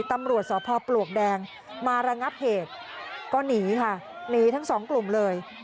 ตำรวจสพปลวกแดงมาระงับเหตุก็หนีค่ะหนีทั้งสองกลุ่มเลย